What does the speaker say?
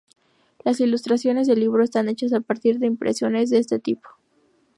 Las ilustraciones del libro están hechas a partir de impresiones de este tipo.